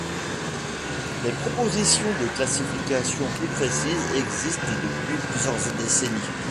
Des propositions de classification plus précises existent depuis plusieurs décennies.